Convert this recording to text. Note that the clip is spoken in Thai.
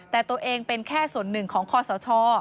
แต่ตัวเองเป็นแค่ส่วนหนึ่งของคอสช